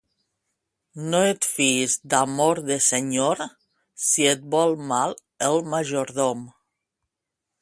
No et fiïs d'amor de senyor, si et vol mal el majordom.